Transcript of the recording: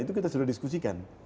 itu kita sudah diskusikan